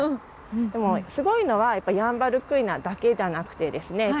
でもすごいのはやっぱヤンバルクイナだけじゃなくてですね